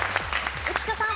浮所さん。